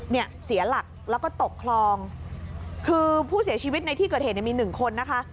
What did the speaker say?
เนี่ยเสียหลักแล้วก็ตกคลองคือผู้เสียชีวิตในที่เกิดเหตุเนี่ยมีหนึ่งคนนะคะ